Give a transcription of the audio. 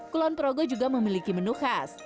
kulon progo juga memiliki menu khas